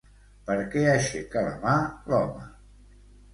Per què aixeca la mà l'home?